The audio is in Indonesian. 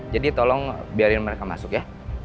jadi tolong biarin mereka masuk ya